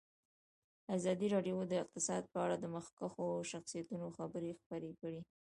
ازادي راډیو د اقتصاد په اړه د مخکښو شخصیتونو خبرې خپرې کړي.